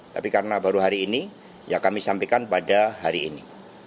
tapi karena baru hari ini ya kami sampaikan pada hari ini